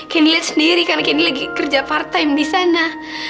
candy liat sendiri karena candy lagi kerja part time di sana